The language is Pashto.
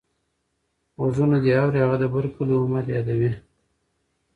غوږونه دې اوري هغه د بر کلي عمر يادوې.